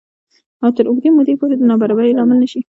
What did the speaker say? او تر اوږدې مودې پورې د نابرابرۍ لامل نه شي